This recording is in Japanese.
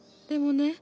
でもね